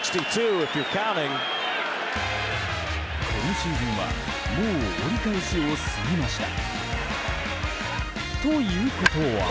今シーズンはもう、折り返しを過ぎました。